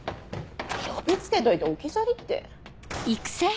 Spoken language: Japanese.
呼び付けといて置き去りって。